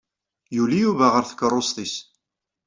Yuli Yuba ɣer tkeṛṛust-nnes.